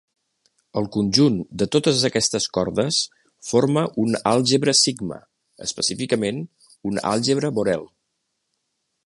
El conjunt de totes aquestes cordes forma un àlgebra sigma, específicament, un àlgebra Borel.